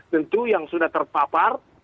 tentu yang sudah terpapar